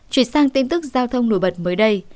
chuyển sang tin tức giao thông nổi bật mới đây